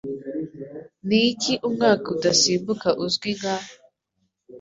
Niki Umwaka udasimbuka uzwi nka